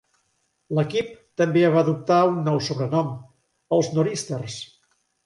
L'equip també va adoptar un nou sobrenom: els Nor'easters.